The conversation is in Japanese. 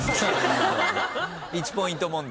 １ポイント問題。